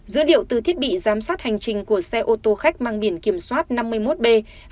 dữ liệu từ thiết bị giám sát hành trình của xe ô tô khách mang biển kiểm soát năm mươi một b hai mươi chín nghìn bốn trăm tám mươi chín